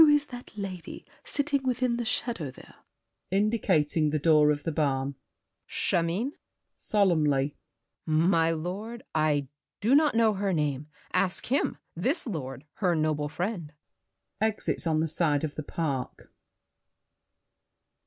Who is that lady Sitting within the shadow there? [Indicating the door of the barn. GRACIEUX. Chimène? [Solemnly.] My lord, I do not know her name. Ask him, This lord, her noble friend. [Exits on the side of the park.